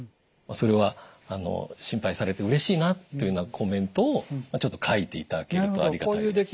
それは「心配されてうれしいな」というようなコメントをちょっと書いていただけるとありがたいです。